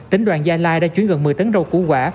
tỉnh đoàn gia lai đã chuyển gần một mươi tấn rau củ quả